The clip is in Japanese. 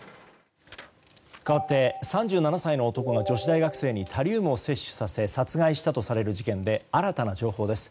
かわって３７歳の男が女子大学生にタリウムを摂取させ殺害したとする事件で新たな情報です。